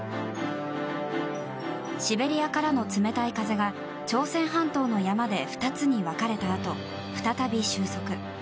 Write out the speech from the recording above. シベリアからの冷たい風が朝鮮半島の山で２つに分かれたあと再び収束。